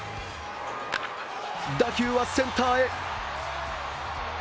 打球はセンターへ。